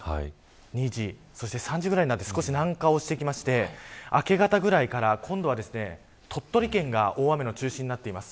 ２時そして３時くらいになって少し南下をしてきまして明け方くらいから、今度は鳥取県が大雨の中心になっています。